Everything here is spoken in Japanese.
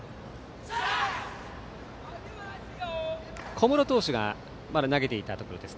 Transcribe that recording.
小室投手がまだ投げていた時です。